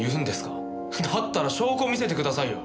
だったら証拠見せてくださいよ。